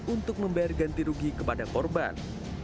untuk membayar ganti rugi kepada korban